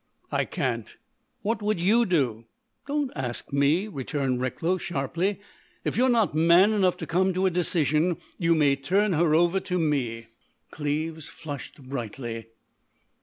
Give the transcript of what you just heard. "I can't." "What would you do?" "Don't ask me," returned Recklow, sharply. "If you're not man enough to come to a decision you may turn her over to me." Cleves flushed brightly.